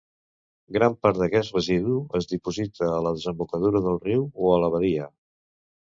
Gran part d'aquest residu es diposita a la desembocadura del riu o a la badia.